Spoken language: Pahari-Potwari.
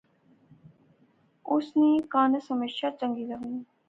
اس کی کانس ہمیشہ چنگی لغی